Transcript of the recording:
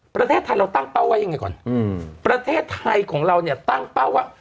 ประเทศไทยเราตั้งเป้าไว้ยังไงก่อนอืมประเทศไทยของเราเนี่ยตั้งเป้าว่า